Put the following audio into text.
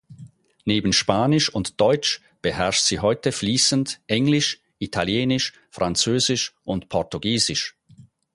Neben Spanisch und Deutsch beherrscht sie heute fließend Englisch, Italienisch, Französisch und Portugiesisch.